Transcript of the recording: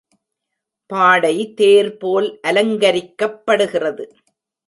பாடை தேர் போல் அலங்கரிக்கப்படுகிறது.